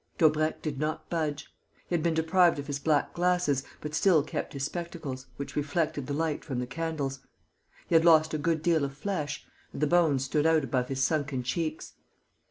Daubrecq did not budge. He had been deprived of his black glasses, but still kept his spectacles, which reflected the light from the candles. He had lost a good deal of flesh; and the bones stood out above his sunken cheeks.